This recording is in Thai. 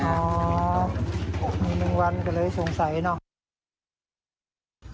อ๋อมีแมงวันก็เลยสงสัยเนอะ